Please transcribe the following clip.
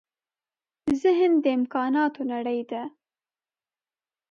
ذهن د امکانونو نړۍ ده.